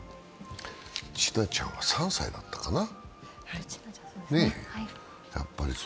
千奈ちゃんは３歳だったかな